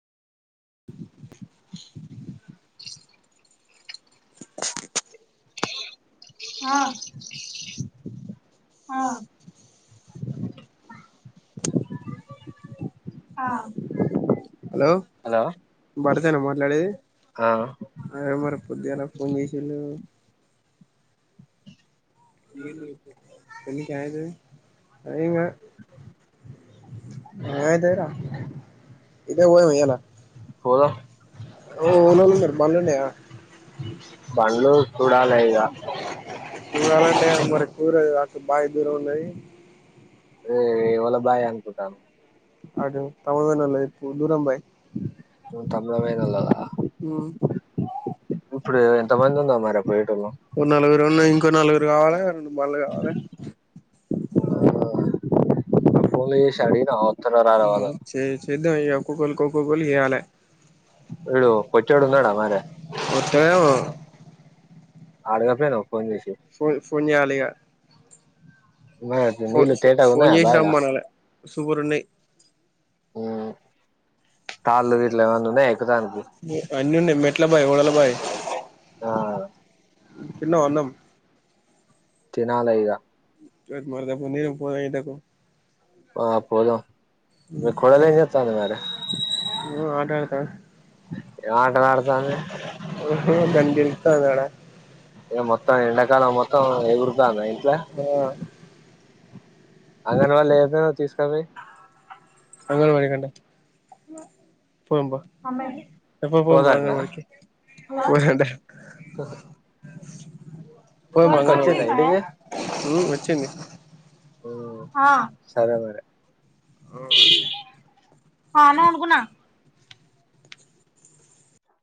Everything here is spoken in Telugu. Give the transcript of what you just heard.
ఆ ఆ ఆ హలో హలో భారతేనా మాట్లాడేది ఆ అదే మరి పొద్దుగాల ఫోన్ జేసిల్లు బీర్లు దేపో పెళ్లికి ఏమైతది ఏం కాద్ ఏమైతది రా ఈతకు పోదామా ఇయ్యాల పోదాం ఓ ఓవలెవలు ఉన్నారు బండ్లు ఉన్నాయా బండ్లు చూడాలి ఇగ ఇవ్వాళ అంటే మరే కుదరదు వాస్తు బాయ్ దూరం ఉన్నది అది ఎవళ బాయ్ అనుకుంటనవ్ అటు తమ్మెడ పోయినోళ్ళ దిక్కు దూరం బాయ్ తమ్ముడమేనోళ్ళదా ఉ ఇప్పుడు ఎంత మంది ఉందో మరి పోయేటోళ్ళు ఓ నలుగురు ఉన్నాం ఇంకో నలుగురు కావాలి రెండు బండ్లు కావాలే ఆ ఫోన్లు చేసి అడిగినవా వత్తరో రారో వాళ్లను చే చేద్దాం ఇగ ఒక్కొక్కలికి ఒక్కొక్కలికి చేయాలే విడు పొట్టోడు ఉన్నాడా మరే వత్తడేమో ఆడగ పోయినవ్ ఫోన్ ఫోన్ చేయాలే లే ఇగా ఉన్నాయటనా నీళ్లు ఫోన్ తేటగున్నయా చేసి బాయిలా రమ్మనాలే సూపర్ ఉన్నాయి ఊ ఉన్నాయా ఎక్కుతానికి అన్ని ఉన్నయ్ మెట్లబాయ్ ఓడల బాయ్ ఆ తిన్నవా అన్నం తినాలే ఇగా [unintelligible] నీడకు పోదాం ఎండకు ఆ పోదాం మీ కోడలు ఏం చెత్తంది మరే ఆట ఆడతాను ఏమ్ ఆటలు ఆడతాంది దాన్ని గెలుకుతాంది ఆడ ఏ మొత్తం ఎండాకాలం మొత్తం ఎగురుతందా ఆ అంగన్ వల్లె ఎయ్యపోయినవ్ తీసుకపోయ్ అంగన్ బడికంటె మా పోదాం పా మమ్మీ ఏ పో పోదాం పా అంగన్ పోదంటనా బడికి [unintelligible] పోదాం పా అక్క అంగన్వాడికి వచ్చిందా ఇంటికి ఉం వచ్చింది. సరే మరి ఆ అనే అనుకున్నా వాడుకున్న